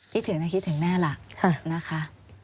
คิดถึงนะคิดถึงแม่หลักนะคะ